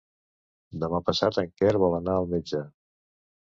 Demà passat en Quer vol anar al metge.